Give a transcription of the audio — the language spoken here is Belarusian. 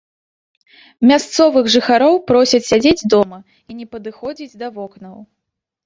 Мясцовых жыхароў просяць сядзець дома і не падыходзіць да вокнаў.